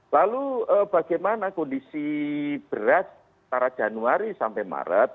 lalu bagaimana kondisi beras antara januari sampai maret